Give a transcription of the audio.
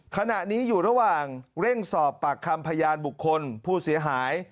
ขณะนี้อยู่ระหว่างเร่งสอบปากคำพยานบุคคลผู้เสียหาย